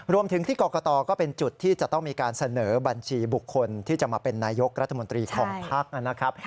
รวมถึงที่กรกตก็เป็นจุดที่จะต้องมีการเสนอบัญชีบุคคลที่จะมาเป็นนายกรัฐมนตรีของภักดิ์นะครับ